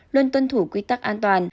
luôn tuân thủ quy tắc an toàn